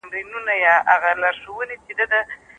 دا ټول د ځوانانو کارونه دي.